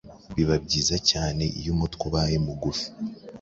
Biba byiza cyane iyo umutwe ubaye mugufi.